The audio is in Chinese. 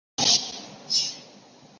大多的升力都产生于翼展的内部。